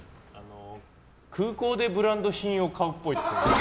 空港でブランド品を買うっぽい。